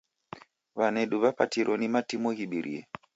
W'anedu w'apatiro ni matimo ghibirie.